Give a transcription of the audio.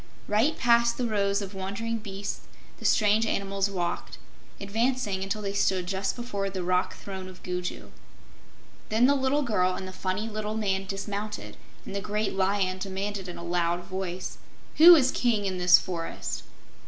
Right past the rows of wondering beasts the strange animals walked, advancing until they stood just before the rock throne of Gugu. Then the little girl and the funny little man dismounted, and the great Lion demanded in a loud voice: "Who is King in this forest?"